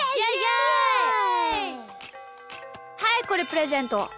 はいこれプレゼント。